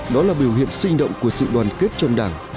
đó là biểu hiện sinh động của sự đoàn kết trong đảng